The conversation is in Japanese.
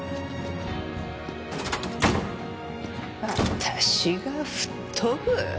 私が吹っ飛ぶ？